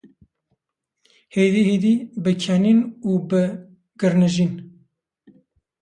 Hêdî hêdî bi kenin û bi girnijin.